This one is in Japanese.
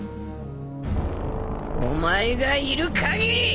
お前がいる限り！